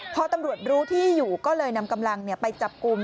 พอตำรวจรู้ที่อยู่ก็เลยนำกำลังไปจับกลุ่ม